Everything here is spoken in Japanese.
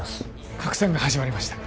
拡散が始まりましたか